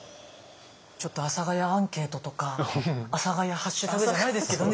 ちょっと「阿佐ヶ谷アンケート」とか「阿佐ヶ谷ハッシュタグ」じゃないですけどね